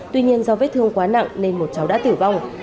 tuy nhiên do vết thương quá nặng nên một cháu đã tử vong